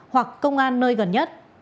hoặc công an nơi gần nhất